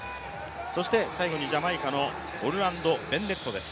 そして最後にジャマイカのオルランド・ベンネットです。